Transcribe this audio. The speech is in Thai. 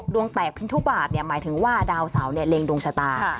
ดวงแตกพินทุบาทหมายถึงว่าดาวเสาเล็งดวงชะตา